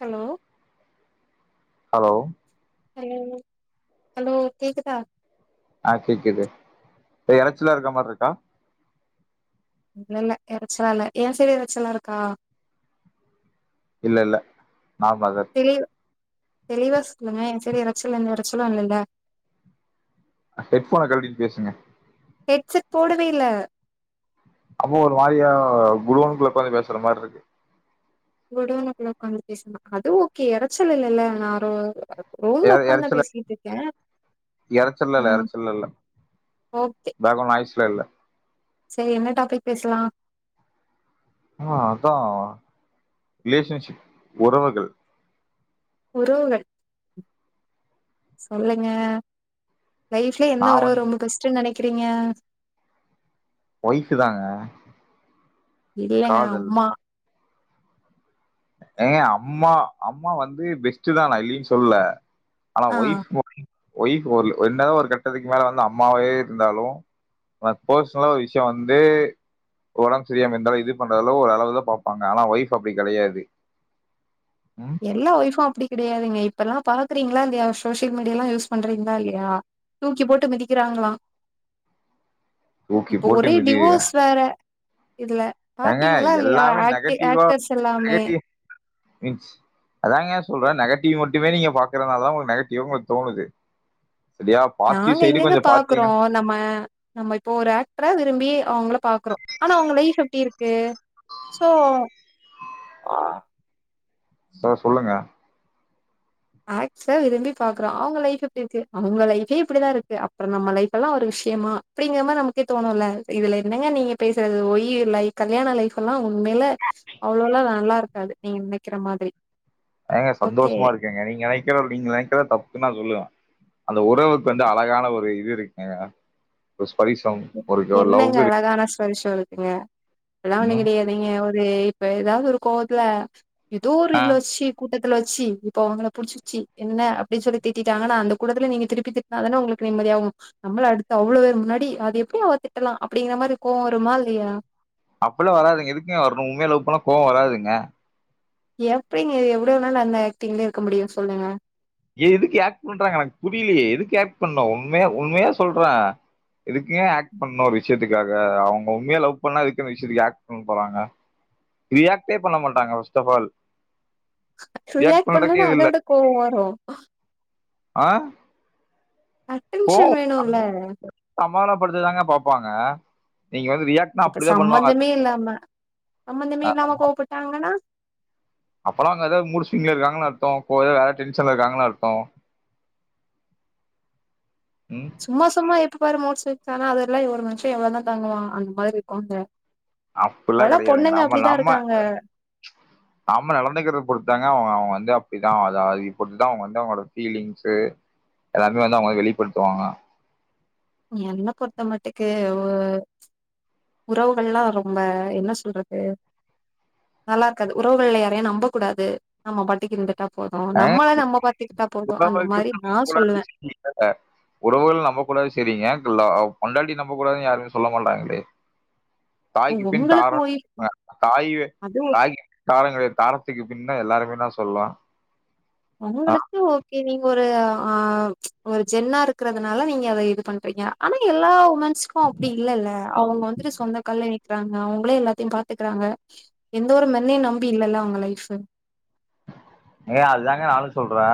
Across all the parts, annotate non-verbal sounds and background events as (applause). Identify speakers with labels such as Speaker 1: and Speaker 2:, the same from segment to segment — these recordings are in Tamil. Speaker 1: ஹலோ
Speaker 2: ஹலோ
Speaker 1: ஹலோ ஹலோ கேக்குதா
Speaker 2: ஆ கேக்குது எறைச்சிலாருக்க மார்ருக்கா
Speaker 1: இல்லல்ல எறச்சிலா இல்ல ஏ சைட் எறச்சலா இருக்கா
Speaker 2: இல்ல இல்ல நார்மலா தா இருக்கு
Speaker 1: தெளிவ் தெளிவா சொல்லுங்க ஏ சைட் யாராது அச்சலா எந்த எறச்சலு இல்லல்ல
Speaker 2: ஹெட் போன கழுவிட்டு பேசுங்க
Speaker 1: ஹெட்செட் போடவேல்ல
Speaker 2: அம்மா ஒரு மாரியா குடோன்னுக்குள்ள ஒக்காந்து பேசுற மாரி இருக்கு
Speaker 1: குடோன்னுக்குல உக்காந்து பேச அது ஓகே இறச்சல் இல்லல்ல நாரோ
Speaker 2: எ எறச்சல் எறச்சல்லா
Speaker 1: ஆ
Speaker 2: இல்ல எறச்சல்லா இல்ல தாகுன் ஐஸ்ல இல்ல
Speaker 1: சரி என்ன டாபிக் பேசலா
Speaker 2: ஆ அதான் ரிலேஷன்ஷிப் உறவுகள்
Speaker 1: உறவுங்கள் சொல்லுங்க லைஃப்ல
Speaker 2: நா
Speaker 1: என்ன உறவு
Speaker 2: வந்து
Speaker 1: ரொம்ப பெஸ்ட்ன்னு நினைக்கிறீங்க
Speaker 2: ஒய்ஃப் தாங்க
Speaker 1: இல்லங்க
Speaker 2: காதல்
Speaker 1: அம்மா
Speaker 2: ஏ அம்மா அம்மா வந்து பெஸ்ட் தா நா இல்லின்னு சொல்ல ஆனா
Speaker 1: ஆ
Speaker 2: ஒய்ப் ஒயஃப் என்னதான் ஒரு கட்டத்துக்கு மேல வந்து அம்மாவே இருந்தாலு ந பெர்சனலா ஒரு விஷய வந்து உடம்பு சரியாம இருந்தாலும் இது பண்றதுல ஒரு அளவுல தா பாப்பாங்க ஆனா ஒயஃப் அப்படி கடையாது
Speaker 1: எல்லா ஒய்ஃப்ம் அப்படி கடையாதுங்க இப்பெல்லா பாக்குறீங்களா இந்த சோசியல்ீடிய எல்லா யூஸ் பண்றீங்களா இல்லையா தூக்கி போட்டு மிதிக்கிறாங்களா
Speaker 2: தூக்கி
Speaker 1: இப்ப
Speaker 2: போட்டு
Speaker 1: ஒரே
Speaker 2: மிதி
Speaker 1: டிவோர்ஸ் வேற இதுல
Speaker 2: ஏங்க
Speaker 1: பாத்தீங்களா இல்லையா
Speaker 2: எல்லாமே
Speaker 1: ஆக் ஆக்டர்ஸ் எல்லாமே
Speaker 2: (unintelligible) அதான்ங்க சொல்ற நெகட்டிவ் மட்டுமே நீங்க பாக்கறதுனால தா உங்களுக்கு நெகட்டிவ் தோணுது சரியா பாசிட்டிவ்
Speaker 1: நாங்க
Speaker 2: சைடு
Speaker 1: எங்கெங்க
Speaker 2: கொஞ்சோ
Speaker 1: பாக்குறோ
Speaker 2: பாத்தீங்கன்னா
Speaker 1: நம்ம நம்ம இப்போ ஒரு ஆக்டரா விரும்பி அவங்கள பாக்குறோ ஆனா அவங்க லைஃப் எப்டி இருக்கு சோ
Speaker 2: சோ சொல்லுங்க
Speaker 1: ஆக விரும்பி பாக்குறோ அவங்க லைஃப் எப்படி இருக்கு அவங்க லைபே இப்படிதான் இருக்கு அப்புறம் நம்ம லைப் எல்லா ஒரு விஷய விஷயமா அப்படிங்க மாதிரி நமக்கே தோணும் இதுல என்னங்க நீங்க பேசுறது ஒய் யர் லைக் கல்யாண லைஃப் எல்லா ஒன்னு மேல அவ்வளவுல்லா நல்லா இருக்காது நீங்க நினைக்கிற மாதிரி
Speaker 2: ஏங்க
Speaker 1: ஓகே
Speaker 2: சந்தோஷமா இருக்கங்க நீங்க நினைக்கற நீங்க நினைக்கிறத தப்புன்னா நா சொல்லுவே அந்த உறவுக்கு வந்து அழகான ஒரு இது இருக்குங்க ப பரிசம் ஒரு லவ்வூ இருக்
Speaker 1: பருஷம் இருக்குங்க எல்லா ஒண்ண கிடையாதுீங்க ஒரு இப்ப ஏதாவது ஒரு கோவத்துல ஏதோ ஒரு
Speaker 2: ஆ
Speaker 1: இல சி கு வச்சு இப்ப அவங்க புடிச்சச்சு என்ன அப்படின்னு சொல்லி திட்டிட்டாங்கன்னா அந்த கூடத்துல நீங்க திருப்பி திட்னா தான உங்களுக்கு நிம்மதியாகு நம்மள அடுத்து அவ்வளவு பேர் முன்னாடி அது எப்படி அவத்திட்டலாம் அப்படிங்கிற மாதிரி கோ வருமா இல்லையா
Speaker 2: அப்பல்லா வராதுங்க எதுக்குங்க வரணும் உண்மையா லவ் பண்ணா கோவம் வராதுங்க
Speaker 1: எப்படிங்க எவ்வளவுணால அந்த ஆக்டிங்லயே இருக்க முடியும் சொல்லுங்க
Speaker 2: ஏ எதுக்கு ஆக்ட் பண்றாங்க எனக்கு புரியலையே எதுக்கு ஆக்ட் பண்ண உண்மே உண்மையா சொல்ற எதுக்குங்க ஆக்ட் பண்ணும் ஒரு விஷயத்துக்காக அவங்க உண்மைய லவ் பண்ணா இதுக்குன்ன விஷயத்துக்கு ஆக்ட் பண்ண போறாங்க ரியாக்டே பண்ண மாட்டாங்க ஃபர்ஸ்ட் அஃப் ஆல்
Speaker 1: ரியாக்ட்
Speaker 2: பண்றக்கே
Speaker 1: பண்ணலன்னா
Speaker 2: இது
Speaker 1: அதை
Speaker 2: இல்ல
Speaker 1: விட கோவம் வரும்
Speaker 2: ஆ
Speaker 1: அட்டன்ஷன் வேணுல
Speaker 2: சமாதானம் படுத்ததாக பாப்பாங்க நீங்க வந்து ரியாக்ட்னா அப்படிதா பண்ணுவாங்க
Speaker 1: சம்மந்ததமே இல்லாம கோவபட்டாங்கன்னா
Speaker 2: அப்பெல்லா அங்க எதாவது மூட் ஸ்விங்களா இருக்காங்கன்னனு அர்த்தம் போ வேற டென்ஷன்ல இருக்காங்கனு அர்த்த ம்
Speaker 1: சும்மா சும்மா எப்ப பாரு மூட் ஸ்விங் ஆனா அதெல்லா ஒரு மனுஷன் எவ்வளவுதான் தாங்குவா அந்த மாதிரி இருக்குங்க
Speaker 2: அப்டிலா கடையாதுங்க நம்ம நம்ம
Speaker 1: இருக்காங்க.
Speaker 2: நம்ம நடந்தைக்கிறத பொறுத்து தாங்க அவங்க அவங்க வந்து அப்படிதா அத அது இப்பத்ததா அவங்க வந்து அவங்களோட பீலிங்ஸ்சு எல்லாருமே வந்து அவங்க வெளிப்படுத்துவாங்க
Speaker 1: என்ன பொறுத்த மட்டுக்கு உறவுகள்ல்ல ரொம்ப என்ன சொல்றது நல்லா இருக்காது உறவுகள்ல யாரையையும் நம்பக்கூடாது நம்ம பாட்டக்கு இருந்து கிட்டா போது நம்மள நம்ம பாத்துக்கிட்டா போது அந்த
Speaker 2: உறவுகள்
Speaker 1: மாரி நா
Speaker 2: கூடாது
Speaker 1: சொல்லுவே
Speaker 2: சரி உறவுகள் நம்பக்கூடாது செரிங்க லோ பொண்டாட்டி நம்ப கூடாதுனு யாருமே சொல்ல மாட்டாங்களே தாய்க்கு பின்
Speaker 1: உங்களுக்கு
Speaker 2: தாரோ
Speaker 1: ஓய்
Speaker 2: (inaudible) தாய்
Speaker 1: அது
Speaker 2: தாய் தாரோ கெடையாது தாரத்துக்கு பின்ன எல்லாருமேன்னா சொல்லலா
Speaker 1: உங்களுக்கு ஓகே ஒரு ஆ ஒரு ஜென்னா இருக்கிறதுனால நீங்க அத இது பண்றீங்க ஆனா எல்லா உமன்ஸ்க்கு அப்டி இல்லல்ல அவுங்க வந்துட்டு சொந்த கால்ல நிக் கிறாங்க அவுங்களே எல்லாத்தயு பாத்துக்றாங்க எந்த ஒரு மென்னயு நம்பி இல்லல்ல அவுங்க லைஃப் (inaudible)
Speaker 2: ஏ அதாங்க நானு சொல்றே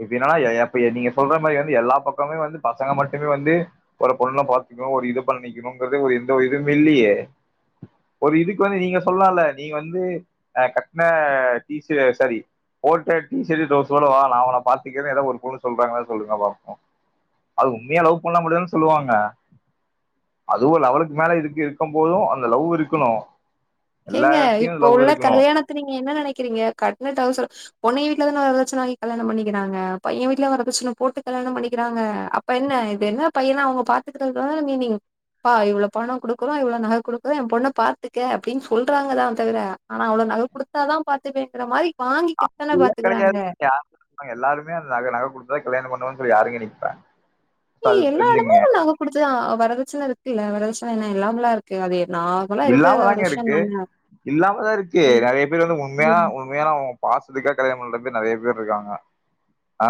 Speaker 2: இப்ப என்னன்னா ஏ எப் நீங்க சொல்ற மாரி வந்து எல்லா பக்கமே வந்து பசங்க மட்டுமே வந்து ஒரு பொண்ணுல பார்த்துக்க ஒரு இது பண்ணிக்கணுங்கிறதே ஒரு எந்த ஒரு இதுமே இல்லியே ஒரு இதுக்கு வந்து நீங்க சொல்லால நீங்க வந்து ஆ கட்ன இது சரி போட்ட டிஷர்ட் டவுசரோட வா நா ஒன்ன பாத்துக்கிறேன்னு ஏதா ஒரு பொண்ணு சொல்றாங்களா சொல்லுங்க பாப்போ அது உண்மையா லவ் பண்ண மட்டுந்தான சொல்லுவாங்க அதுவு ஒரு லெவலுக்கு மேல இதுக்கு இருக்கும் போது அந்த லவ் இருக்கணு
Speaker 1: ஏங்க இப்ப உள்ள கல்யாணத்த நீங்க என்ன நெனக்கிறீங்க கட் னா டவுசரோ பொன்னய வீட்ல தான வரதட்ச்சண வாங்கி கல்யாணம் பண்ணிக்கிறாங்க பைய வீட்ல வரதட்ச்சண போட்டு கல்யாணம் பண்ணிக்கிறாங்க அப்ப என்ன இது என்ன பையன அவுங்க பாத்துக்கிறது தான மீனிங் பா இவ்ளோ பணோ குடுக்குறோ இவ்ளோ நக குடுக்குறோ ஏ பொண்ண பாத்துக்க அப்டின்னு சொல்றாங்க தா தவிர ஆனா அவ்ள நக குடுத்தாதா பாத்துப்பேங்கிற மாரி வாங்கிக்கிட்டு தான
Speaker 2: அப்டில்லா
Speaker 1: பாத்துக்கறாங்க
Speaker 2: கெடையாதுங்க யாருங்க சொன்னா எல்லாருமே அந்த நகை நக குடுத்து தா கல்யாணம் பண்ணுவே அப்டி யாருங்க நிப்பா
Speaker 1: எல்லா எடமு நக குடுத்துதா ஆவா வரதட்சண இருக்குல்ல வரதட்சண என்ன இல்லாமலா இருக்கு அது நார்மலா இருக்கிற ஒரு
Speaker 2: இல்லாமதாங்க இருக்கு
Speaker 1: விஷயந்தான
Speaker 2: இல்லாமதா இருக்கு நெறைய பேர் வந்து உண்மையான உண்மையான பாசத்துக்கா கல்யாணோ பண்ற பேர் நெறைய பேர் இருக்காங்க ஆ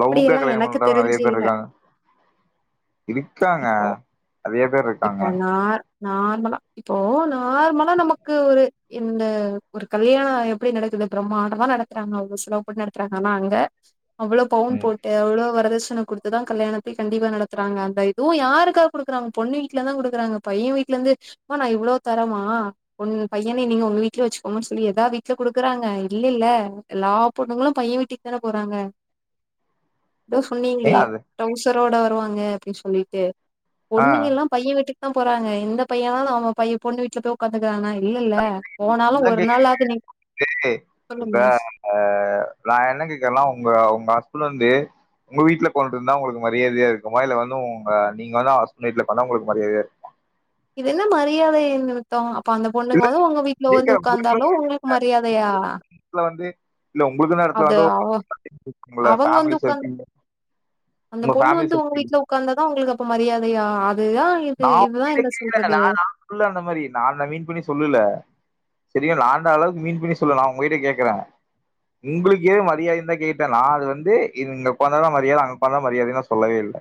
Speaker 2: லவ்கா
Speaker 1: அப்டியெல்லா
Speaker 2: கல்யாணம்
Speaker 1: எனக்கு
Speaker 2: பண்றவங்க நெறைய
Speaker 1: தெரிஞ்சு
Speaker 2: பேர்
Speaker 1: இல்ல
Speaker 2: இருக்காங்க இருக்காங்க அதேதா இருக்
Speaker 1: இப்ப நார் நார்மலா இப்போ நார்மலா நமக்கு ஒரு இந்த ஒரு கல்யாண எப்டி நடக்குது பிரமாண்டமா நடத்துறாங்க அவ்ளோ செலவு பண்ணி நடத்துறாங்க ஆனா அங்க அவ்ளோ பவுன்
Speaker 2: ம்.
Speaker 1: போட்டு அவ்ளோ வரதட்சண குடுத்து தா கல்யாணத்த கண்டிப்பா நடத்துறாங்க அந்த அதுவு யாருக்காக குடுக்குறாங்க பொண்ணு வீட்ல இருந்து தா குடுக்குறாங்க பைய வீட்ல இருந்து எம்மா நா இவ்ளோ தரேமா பொண்ணு பையன நீங்க உங்க வீட்லயே வச்சிக்கோங்கன்னு சொல்லி எதா வீட்ல குடுக்குறாங்க இல்லேல்ல எல்லா பொண்ணுங்களு பைய வீட்டுக்கு தான போறாங்க ஏதோ சொன்னீங்களே
Speaker 2: ஏங்க அது
Speaker 1: டவுசரோட வருவாங்க அப்டின்னு சொல்லீட்டு
Speaker 2: ஆ
Speaker 1: பெண்ணுங்க எல்லா பைய விட்டுக்கு தா போறாங்க எந்த பையன்னாலு அவ பைய பொண்ணு வீட்ல போய் ஒக்காந்துக்கிறானா இல்லல்ல போனாலு ஒரு நாளாது
Speaker 2: செரி இப்ப நா என்ன கேக்றேன்னா உங்க உங்க ஹஸ்பெண்ட் வந்து உங்க வீட்ல ஒக்காந்துட்டுருந்தா உங்களுக்கு மரியாதையா இருக்குமா இல்ல வந்து உங்க நீங்க வந்து ஹஸ்பெண்ட் வீட்ல பண்ணா உங்களுக்கு மரியாதையா இருக்குமா
Speaker 1: இது என்ன மரியாதை நிமித்தோ அப்ப அந்த பொண்ணுங்க
Speaker 2: இல்ல
Speaker 1: வந்து உங்க வீட்ல வந்து
Speaker 2: கேக்குறேன் உங்களுக்குன்னு
Speaker 1: உக்காந்தாலு
Speaker 2: ஒரு
Speaker 1: உங்களுக்கு மரியாதையா
Speaker 2: இடத்துல வந்து இல்ல உங்களுக்கு அந்த இடத்துல
Speaker 1: அது
Speaker 2: வந்து
Speaker 1: அவ
Speaker 2: (inaudible)
Speaker 1: அவங்க
Speaker 2: பேமிலி
Speaker 1: வந்து உக்காந்து
Speaker 2: சர்கிள்ள
Speaker 1: அந்த பொண்ணு வந்து உங்க வீட்ல உக்காந்தா தா உங்களுக்கு அப்ப மரியாதையா அதுதா இது
Speaker 2: நா
Speaker 1: இதுதா
Speaker 2: உங்ககிட்ட
Speaker 1: என்ன
Speaker 2: கேக்றே நா
Speaker 1: சொல்றது
Speaker 2: நா சொல்லல அந்த மாரி நா அத மீன் பண்ணி சொல்லல சரியா நா அந்த அளவுக்கு மீன் பண்ணி சொல்லல நா உங்க கிட்ட கேக்குறே உங்களுக்கு எது மரியாதை தா கேட்டே நா அது வந்து இங்க போன தா மரியாதை அங்க போனா தா மரியாதை நா சொல்லவே இல்ல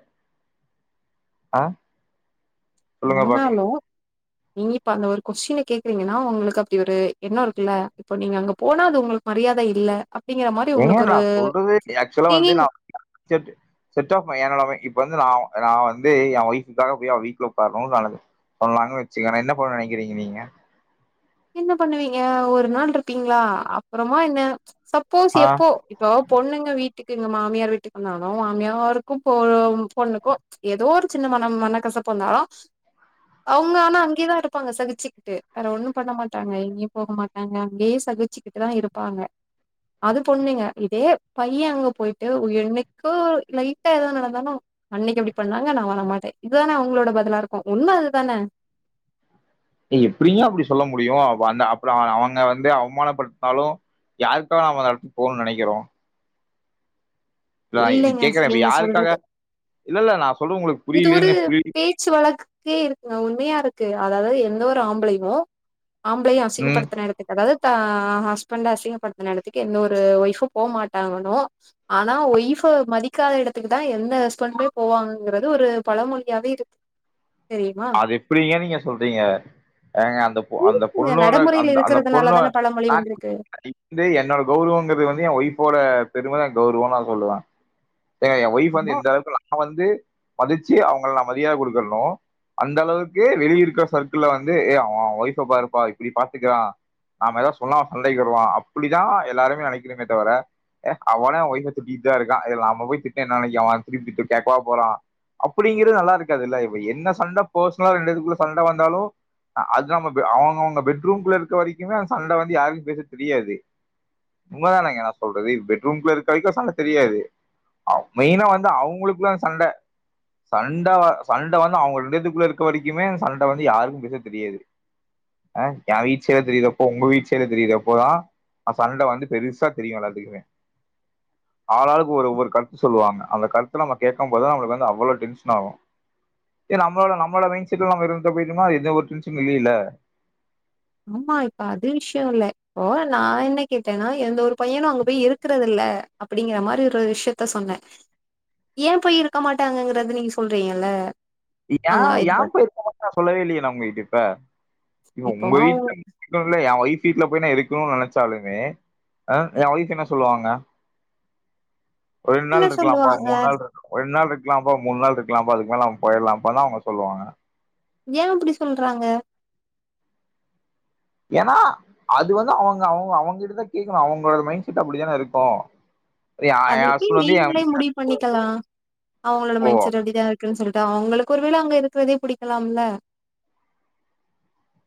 Speaker 2: ஆ சொல்லுங்க பாக்கலாம்.
Speaker 1: ஆனாலு நீ இப்ப அந்த ஒரு கொஸ்டின்ன கேக்குறீங்கன்னா உங்களுக்கு அப்டி ஒரு எண்ண இருக்குல்ல இப்ப நீங்க அங்க போனா அது உங்களுக்கு மரியாத இல்ல அப்டிங்கிற மாரி
Speaker 2: ஏங்க
Speaker 1: உங்களுக்கு
Speaker 2: நா
Speaker 1: ஒரு
Speaker 2: சொல்றது ஆக்சுவலா வந்து
Speaker 1: திங்கிங்
Speaker 2: நா (unintelligible) இப்ப வந்து நா நா வந்து எ ஒய்ஃபுக்காக போய் அவ வீட்டுல உட்காரணு சொன்னங்கன் வச்சிகங் நா என்ன பண்ணுவன் நெனக்கிறீங்க நீங்க
Speaker 1: என்ன பண்ணுவீங்க ஒரு நாள் இருப்பீங்களா அப்புறமா என்ன சப்போஸ்
Speaker 2: ஆ
Speaker 1: எப்போ இப்போ பொண்ணுங்க வீட் டுக்கு இங்க மாமியார் வீட்டுக்கு வந்தாலு மாமியாருக்கு போ பொண்ணுக்கோ ஏதோ ஒரு சின்ன மனம் மன கசப் பு வந்தாலு அவங்க ஆனா அங்கேதா இருப்பாங்க சகிச்சிக்ட்டு வேர ஒண்ணு பண்ண மாட்டாங்க எங்கயு போக மாட்டாங்க அங்கேயே சகிச்சிக்கிட்டுதா இருப்பாங்க அது பொண்ணுங்க இதே பைய அங்க போயிட்டு என்னைக்கோ லைட்டா ஏதாது நடந்தாலு அன்னைக்கு அப்டி பண்ணாங்க நா வரமாட்டே இதான அவங்களோட பதிலா இருக்கு உண்ம அதுதான
Speaker 2: நீ எப்டியு அப்டி சொல்ல முடியு அ அந்த அப்புற அவங்க வந்து அவமானப்படுத்னாலு யாருக்காக நம்ம அந்த எடத்துக்கு போனும்னு நெனைக்கிறோ இல
Speaker 1: இல்லைங்க
Speaker 2: கேக்கறே இப்ப
Speaker 1: நீங்க
Speaker 2: யாருக்காக
Speaker 1: சொல்றது
Speaker 2: இல்ல இல்ல நா சொல்றது உங்களுக்கு
Speaker 1: இது ஒரு
Speaker 2: புரியலன்னு புரிய
Speaker 1: பேச்சி வழக்குக்கே இருக்குங்க உண்மையா இருக் கு அதாது எந்த ஒரு ஆம்பளையு ஆம்பளைய
Speaker 2: ம்
Speaker 1: அசிங்கப்படுத்தின எடத்துக்கு அதாது அ ஹஸ்பண்ட அசிங்கப்படுத்துன எடத்துக்கு எந்த ஒரு ஒய்ஃபும் போ மாட்டாங்குனு ஆனா ஒய்ஃப் பு மதிக்காத எடத்துக்கு தா எந்த ஹஸ்பண்டு போவாங்கறது ஒரு பழமொழியாவே இருக்
Speaker 2: அது எப்டிங்க நீங்க சொல்றீங்க ஏங்க அந்த அந்த
Speaker 1: இந்த
Speaker 2: பொண்ணோட
Speaker 1: நடைமுறையில
Speaker 2: அந்த அந்த
Speaker 1: இருக்கிறதுனால
Speaker 2: பொண்ணு
Speaker 1: தான பழமொழி வந்திருக்கு
Speaker 2: இந்து என்னோட கௌரம்ங்கிறது வந்து எ ஒய்ஃபோட திரும்ப நா கௌரவ தா சொல்லுவ ஏ எ ஒய்ஃப் வந்து
Speaker 1: ஆமா
Speaker 2: எந்த அளவுக்கு நா வந்து மதிச்சி அவங்கல்லா மரியாத கொடுக்குறனோ அந்த அளவுக்கு வெளிய இருக்கிற சர்க்கிள வந்து ஏ அவ அவ ஒய்ஃப பாருப்பா இப்டி பாத்துக்கிறா நாம ஏதாது சொன்னா சண்டைக்கு வருவா அப்டிதா எல்லாருமே நெனைக்கணுமே தவிர ஏ அவனே அவ ஒய்ஃப திட்டிட்டுதா இருக்கா இது நம்ம போய் திட்டி என்ன நெனைக்க அவ திருப்பிதிட்டி கேக்கவா போறா அப்டிங்கிறது நல்லா இருக்காதுல இப்ப என்ன சண்ட பெர்சனலா ரெண்டு பேதுகுள்ள சண்ட வந்தாலு அது நம்ம அவங்க அவங்க பெட்ரூம்குள்ள இருக்க வரைக்குமே அந்த சண்ட வந்து யாருக்குமே பெருசா தெரியாது உண்மதானங்க நா சொல்றது பெட்ரூம்ல இருக்க வரைக்கு சண்ட தெரியாது மெயினா வந்து அவங்களுக்குள்ள சண்ட சண்ட சண்ட வந்த அவங்க ரெண்டு பேத் குள்ள இருக்க வரைக்குமே அந்த சண்ட வந்து யாருக்கு பெருசா தெரியாது ஆ எ வீச்சல தெரியிறப்போ உங்க வீச்சல தெரியுறப்போதா அ சண்ட வந்து பெருசா தெரியு எல்லாத்துக்குமே ஆளாளுக்கு ஒரு ஒவ்வொரு கருத்து சொல்லுவாங்க அந்த கருத்துல நம்ம கேக்கம் போது தா நமளுக்கு வந்து அவ்வளோ டென்ஷன் ஆகு ஏ நம்மள நம் நம்ம மைண்ட் செட் ல நம்ம இருந்துட்டு போயுடமா அது எந்த ஒரு எதுவும் டென்ஷனு இல்லைல
Speaker 1: ஆமா இப்ப அது விஷய இல்ல இப்போ நா என்ன கேட்டன்னா எந்த ஒரு பையனு அங்க போய் இருக்றது இல்ல ல அப்டிங்கற மாரி ஒரு விஷயத்த சொன்ன ஏ போய் இருக்க மாட்டாங்கங்கறத நீங்க சொல்றீங்கல்ல
Speaker 2: யா
Speaker 1: அவங்க
Speaker 2: யா
Speaker 1: இது
Speaker 2: போய் இருக்கமாட்றா சொல்லவே இல்லையே நா உங்க கிட்ட இப்ப
Speaker 1: இப்போ
Speaker 2: உங்க
Speaker 1: அவங்க
Speaker 2: கிட்ட சொல்ல எ வொய்ஃப் வீட்ல போய் நா இருக்கணுனு நெனச்சாலுமே அ எ ஒய்ஃப் என்ன சொல்லுவாங்க ரெண்
Speaker 1: என்ன
Speaker 2: நாள் இருக்லாம்பா
Speaker 1: சொல்லுவாங்க
Speaker 2: மூண் நாள் இருக்கலா ரெண்டு நாள் இருக்கலாம்பா மூண் நாள் இருக்லாம்பா அதுக் மேல போயிலாம்பா தா அவங்க சொல்லுவாங்க
Speaker 1: ஏ அப்டி சொல்றாங்க
Speaker 2: ஏன்னா அது வந்து அவங்க அவங்க அவங்கிட்டதா கேக்கணு அவங்களோட மைண்ட் செட் அப்டித்தான இருக்கு எ
Speaker 1: அது எப்டி
Speaker 2: ஹஸ்பண்ட் வந்து என்
Speaker 1: நீங்களே
Speaker 2: வீட்ல
Speaker 1: முடிவு பண்ணிக்கலா அவங்களோட
Speaker 2: ஓ
Speaker 1: மைண்ட செட் அப்டிதான் இரு இருக்குு சொல்ட்டு அவங்களுக்கு ஒருவேளை அங்க இருக்கிறதே புடிக்கலாம்ல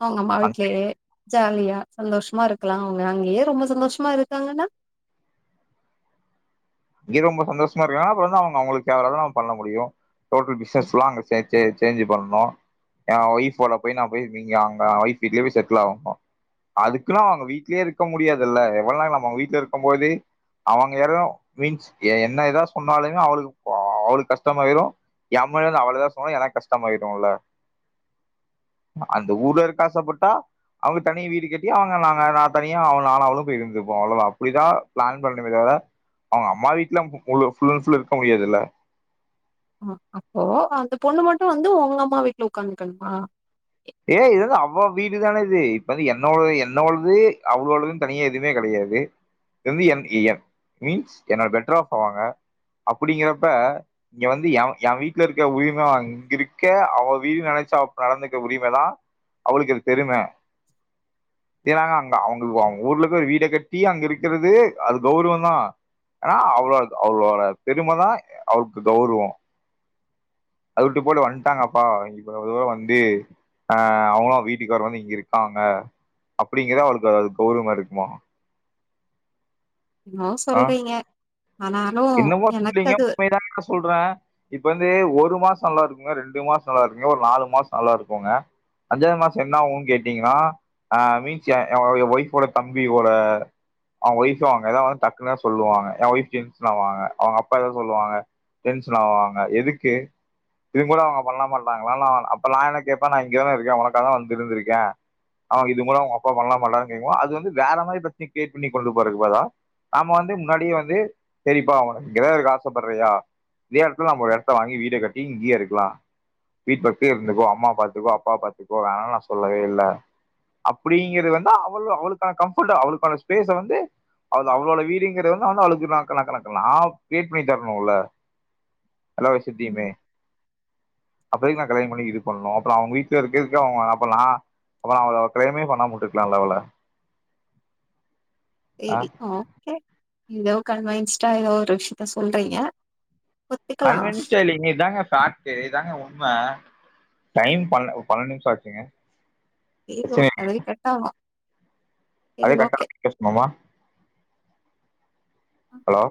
Speaker 1: அவங்கம்மா வீட்லேயே ஜாலியா சந்தோஷமா இருக்கலா அவங்க அங்கயே ரொம்ப சந்தோஷமா இருக்காங்கன்னா
Speaker 2: இங்கே ரொம்ப சந்தோஷமா இருக்காங்கன்னா அப்புற வந்து அவங்க அவங்களுக்கு ஃபேவராதான் நம்ம பண்ண முடியு டோட்டல்
Speaker 1: ம்,
Speaker 2: பிசினஸ்லா அங்க சேஞ்ச் சேஞ்சு பண்ணும் என் ஒயஃபோட போய் நான் போய் நீங்க அங்க ஒய்ஃப் வீட்லயே போயீ செட்டில் ஆகணும் அதுக்குன்னு அவங்க வீட்லயே இருக்க முடியாதுல்ல எவ்வளோ நா ந அவங்க வீட்ல இருக்கும் போது அவங்க யரும் மீன்ஸ் என்ன ஏதாவ சொன்னாலுமே அவளுக்கு போ அவளுக்கு கஷ்டமாயிரும் எமளந்து அவளதான் சொன்னோும் எனக்கு கஷ்டமாயிருல்ல அந்த ஊர்ல இருக்கா ஆசைப்பட்டா அவங்க தனிய வீடு கட்டி அவங்க நாங்க நான் தனியா அவ நாலும் அவளும் போய் இருந்தப்போம் அவ்வளவுோ அப்படிதான் பிளான் பண்ணணம தவீர அவங்க அம்மா வீட்ல ஃபுல் அண்ட் ஃபுல் இருக்க முடியாதுல்ல
Speaker 1: ஆ அப்போ அந்த பொண்ணு மட்டும் வந்து உங்க அம்மா வீட்ல உட்காந்துக்கணுமா
Speaker 2: ஏ இது வந்து அவ வீடுதானே இது இப்ப வந்து என்னோ என்னோது அவ்வளோதுன்னு தனியா எதுவுமே கடையாது து என் ஏ என் மீன்ஸ் என்னோட பெட்டர்ப் அவங்க அப்படிங்கறப்ப இங்க வந்து என் என் வீட்ல இருக்க உரிமை அங்க இருக்க அவ வீடு நினைச் சாப் நடந்துக்க உரிமை தான் அவளுக்கு பெருமை ஏன்னாங்க அங்க அவங்க அவங்க ஊர்ல போய் ஒரு வீட கட்டி அங்க இருக்கிறது அது கௌரவம் தா ஆனா அவளோ அவளோட பெருமைதான் அவளுக்கு கௌரவம் அத விட்டு போட்டு வந்ட்டாங்கப்பா இவளோ தூர வந்து அ அவங்களாம் வீட்டுக்கார வந்து இங்க இருக்காங்க அப்படிங்கற அவளுக்கு அதாவது கௌரவம் இருக்குமா
Speaker 1: என்னமோ
Speaker 2: ஆ
Speaker 1: சொல்றீங்க ஆனாலு
Speaker 2: என்னமோ
Speaker 1: எனக்கு
Speaker 2: சொல்லீங்க
Speaker 1: அது
Speaker 2: உண்மைதான சொல்ற இப்ப வந்து ஒரு மாசம் நல்லா இருக்குங்க ரெண்டு மாசம் நல்லா இருக்குங்க ஒரு நாலு மாசம் நல்லா இருக்கும்ங்க அஞ்சாவது மாசம் என்ன ஆகுன்னு கேட்டீங்கன்னா ஆ மீன்ஸ் எ ஒய்ஃப் ஓட தம்பியோட அவங்க ஒய்ஃப் அவங்க ஏதாவது டக் சொல்லுவாங்க என் ஒய்ஃப் டென்ஷன் ஆவாங்க அவங்க அப்பா எத சொல்லுவாங்க டென்ஷன் ஆவாங்க எதுக்கு இது கூட அவங்க பண்ண மாட்டாங்களா அப்ப நான் என்ன கேப்ப நான் இங்க தான இருக்கே உனக்காக தான் வந்து இருந்திருக்கே அவமா இது கூட அவங்க அப்பா பண்ண மாட்டாரா கேக்கும் போது அது வந்து வேற மாதிரி பிரச்சனை கிரியேட் பண்ணி கொண்டு போறதுக் பதிலா நாம வந்து முன்னாடியே வந்து சேரிப்பா உனக்கு இங்கதா இருக்க ஆசைப்படுறியா இதே இடத்துல நம்ம ஒரு எடத்த வாங்கி வீட கட்டி இங்கேயே இருக்கலா வீட்டு பத்தே இருந்துக்கோ அம்மா பாத்துக்கோ அப்பா பாத்துக்கோ வேணானு நான் சொல்லவே இல்ல அப்படிங்கிறது வந்து அவ அவளுக்கான கம்பர்ட்ட் அவளுக்கான்பேஸ் வந்து அவளுக்கு அவளோட வீடுங்கரதா நா கிரியேட் பண்ணி தரணும்ல்ல எல்லா வசத்தமே அப்ப எதுக்கு நான் கல்யாண பண்ணி இது பண்ணு அப்புறம் அவங்க வீட்ல இருக்கிறதுக்கு அவங்க அப்புறம் நா அப்பற நான் அவள கல்யாணமே பண்ணாமா விட்டு இருக்கலாமே அவள
Speaker 1: சரி ஓகே ஏதோ கண்வயன்ஸ்சிட்டா ஏதோ ஒரு விஷயத்த சொல்றீங்க ஒத்துக்கலா
Speaker 2: கன்வன்ஸ்டைடா இல்லிங்க இதாங்க பேக்ட் இதாங்க உண்மை டைம் ப பன்னெண்டு நிமிஷம் ஆச்சுங்க
Speaker 1: செரி ஓ அதுவே கட்டா ஆகு சேரி
Speaker 2: அதுவே கட்டா ஆகுற
Speaker 1: ஓகே
Speaker 2: வரைக்கு பேசணுமா
Speaker 1: சரி
Speaker 2: ஹலோ